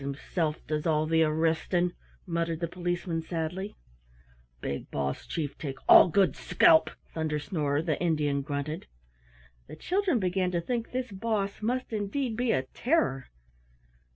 "'Tis himsilf does all the arristin'," muttered the Policeman sadly. "Big boss chief take all good scalp," Thunder snorer, the Indian, grunted. The children began to think this "Boss" must indeed be a terror.